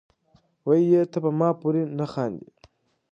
وې ئې " تۀ پۀ ما پورې نۀ خاندې،